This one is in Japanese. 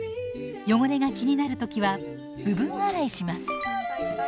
汚れが気になる時は部分洗いします。